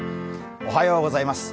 おはようございます。